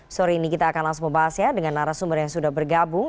sore ini kita akan langsung membahas ya dengan narasumber yang sudah bergabung